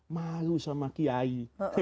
malu sama kieyai